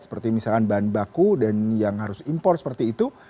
seperti misalkan bahan baku dan yang harus impor seperti itu